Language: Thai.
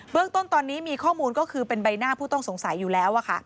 เรื่องต้นตอนนี้มีข้อมูลก็คือเป็นใบหน้าผู้ต้องสงสัยอยู่แล้ว